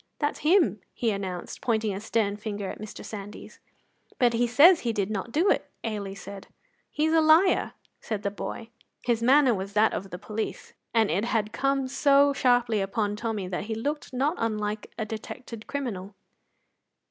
"That's him!" he announced, pointing a stern finger at Mr. Sandys. "But he says he did not do it," Ailie said. "He's a liar," said the boy. His manner was that of the police, and it had come so sharply upon Tommy that he looked not unlike a detected criminal.